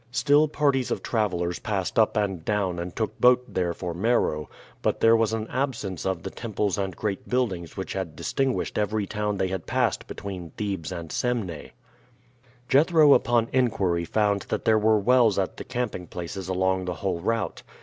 Still parties of travelers passed up and down and took boat there for Meroe; but there was an absence of the temples and great buildings which had distinguished every town they had passed between Thebes and Semneh. [D] Now called Berber. Jethro upon inquiry found that there were wells at the camping places along the whole route.